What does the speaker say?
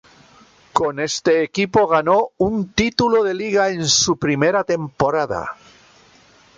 Con este equipo ganó un título de Liga en su primera temporada.